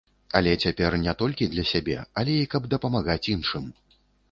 Але цяпер не толькі для сябе, але і каб дапамагаць іншым.